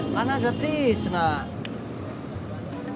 mana ada tis nak